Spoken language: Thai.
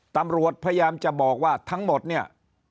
ตำรวจพยายามจะบอกว่าทั้งหมดเนี่ย